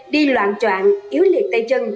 đi loạn troạn yếu liệt tay chân